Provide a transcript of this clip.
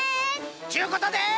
ちゅうことで！